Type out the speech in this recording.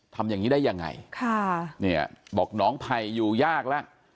ทำอย่างนี้ได้ยังไงค่ะเนี่ยบอกน้องไผ่อยู่ยากแล้ว